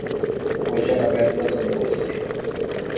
وژنه باید وځنډول شي